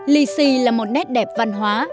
lì xì là một nét đẹp văn hóa